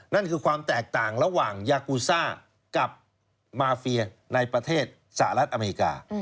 นั่นคือความแตกต่างระหว่างยากูซ่ากับมาเฟียในประเทศสหรัฐอเมริกา